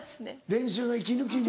練習の息抜きに。